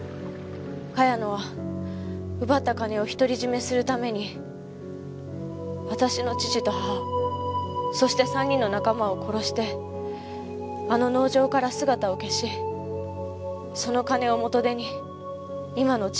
茅野は奪った金を独り占めするために私の父と母そして３人の仲間を殺してあの農場から姿を消しその金を元手に今の地位を築いたのよ。